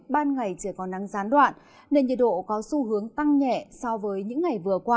ban ngày chỉ còn nắng gián đoạn nên nhiệt độ có xu hướng tăng nhẹ so với những ngày vừa qua